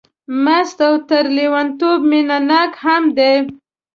مست او تر لېونتوب مینه ناک هم دی.